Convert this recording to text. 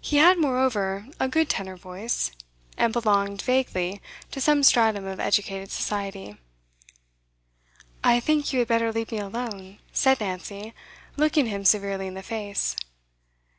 He had, moreover, a good tenor voice, and belonged, vaguely, to some stratum of educated society. 'I think you had better leave me alone,' said Nancy, looking him severely in the face.